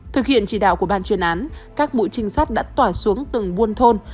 thực hiện chỉ đạo của ban chuyên án các mũi trinh sát đã tỏa xuống từng buôn thôn